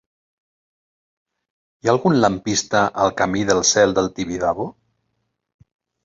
Hi ha algun lampista al camí del Cel del Tibidabo?